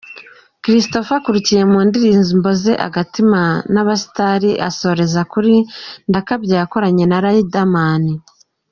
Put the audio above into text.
Christopher akurikiye mu ndirimbo ze Agatima na Abasitari asoreza kuri Ndakabya yakoranye na Riderman.